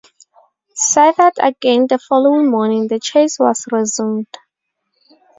Sighted again the following morning, the chase was resumed.